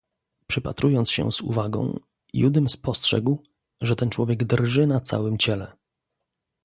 "Przypatrując się z uwagą, Judym spostrzegł, że ten człowiek drży na całem ciele."